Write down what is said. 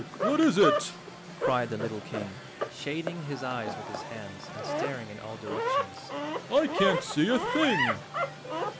What is it?" cried the little King, shading his eyes with his hands and staring in all directions. "I can't see a thing."